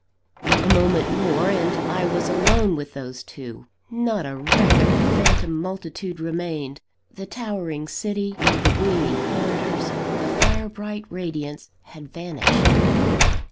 A moment more! and I was alone with those two. Not a wreck of the phantom multitude remained; the towering city, the gleaming corridors, the fire bright radiance had vanished.